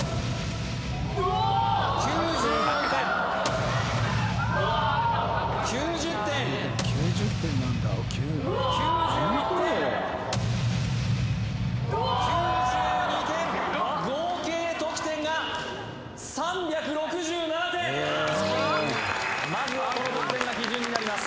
・うお・おお・うわ・うわ合計得点が３６７点まずはこの得点が基準になります